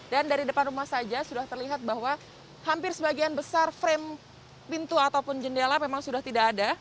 dan dari depan rumah saja sudah terlihat bahwa hampir sebagian besar frame pintu ataupun jendela memang sudah tidak ada